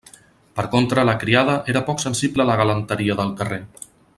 Per contra, la criada era poc sensible a la galanteria del carrer.